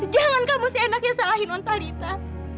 jangan kamu seenaknya salahin nontalita